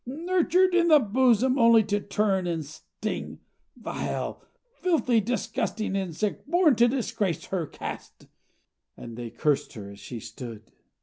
nurtured in the bosom only to turn and sting! Vile, filthy, disgusting insect, born to disgrace her caste!" And they cursed her as she stood.